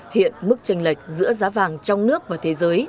hiện mức tranh lệch giữa giá vàng trong nước và thế giới